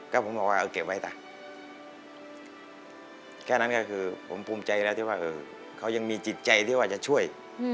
ก็ผมบอกว่าเอาเก็บไว้จ้ะแค่นั้นก็คือผมภูมิใจแล้วที่ว่าเขายังมีจิตใจที่ว่าจะช่วย